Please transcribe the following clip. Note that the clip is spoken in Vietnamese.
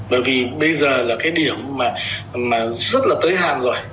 bởi vì bây giờ là cái điểm mà rất là tới hàng rồi